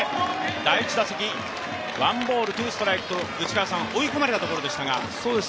第１打席、ワンボールツーストライク、追い込まれたところでしたが。